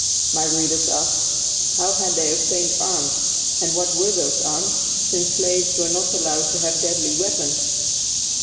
My readers ask, how had they obtained arms and what were those arms, since slaves were not allowed to have deadly weapons?